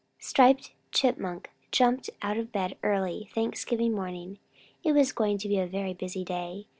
_ Striped Chipmunk jumped out of bed very early Thanksgiving morning. It was going to be a very busy day.